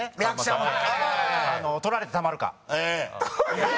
『とられてたまるか！？』？